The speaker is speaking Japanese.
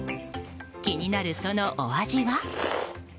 気になるそのお味は？